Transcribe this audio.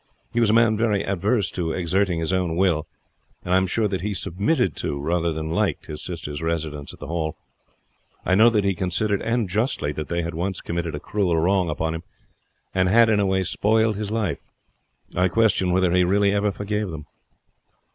He was a man very averse to exerting his own will, and I am sure that he submitted to, rather than liked, his sisters' residence at the Hall. I know that he considered, and justly, that they had once committed a cruel wrong upon him, and had in a way spoiled his life. I question whether he really ever forgave them."